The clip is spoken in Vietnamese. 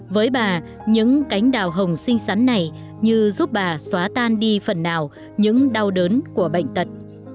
với bà những cánh đào hồng xinh xắn này như giúp bà xóa tan đi phần nào những đau đớn của bệnh tật